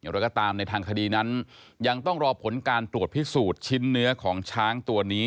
เราก็ตามในทางคดีนั้นยังต้องรอผลการตรวจพิสูจน์ชิ้นเนื้อของช้างตัวนี้